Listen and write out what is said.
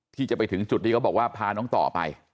ที่จะไปถึงจุดที่เขาบอกว่าพาน้องต่อไป